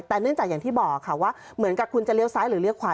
แต่เนื่องจากอย่างที่บอกค่ะว่าเหมือนกับคุณจะเลี้ยซ้ายหรือเลี้ยขวา